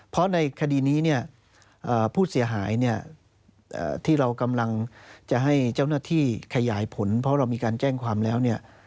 เพราะในคดีนี้เนี่ยผู้เสียหายเนี่ยที่เรากำลังจะให้เจ้าหน้าที่ขยายผลเพราะเรามีการแจ้งความแล้วเนี่ย